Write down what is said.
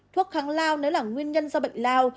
thuốc kháng lao nếu là nguyên nhân do bệnh lao